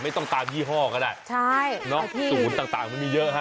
ไม่ต้องตามยี่ห้อก็ได้ใช่เนอะศูนย์ต่างมันมีเยอะฮะ